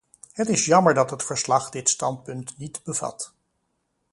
Het is jammer dat het verslag dit standpunt niet bevat.